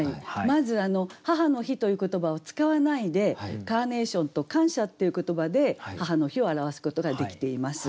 まず「母の日」という言葉を使わないで「カーネーション」と「感謝」っていう言葉で母の日を表すことができています。